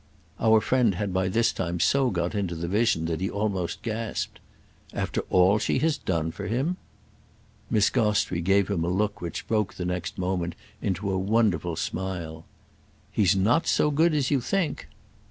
Our friend had by this time so got into the vision that he almost gasped. "After all she has done for him?" Miss Gostrey gave him a look which broke the next moment into a wonderful smile. "He's not so good as you think!"